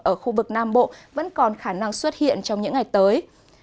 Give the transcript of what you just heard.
ở khu vực nam bộ vẫn còn khả năng xuất hiện trong những ngày tới